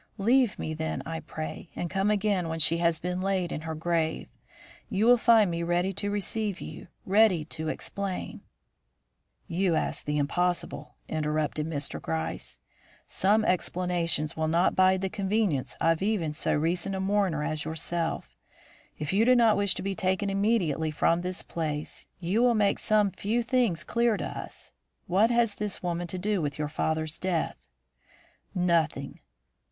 Leave me, then, I pray, and come again when she has been laid in her grave. You will find me ready to receive you, ready to explain " "You ask the impossible," interrupted Mr. Gryce. "Some explanations will not bide the convenience of even so recent a mourner as yourself. If you do not wish to be taken immediately from this place, you will make some few things clear to us. What has this woman had to do with your father's death?" "Nothing."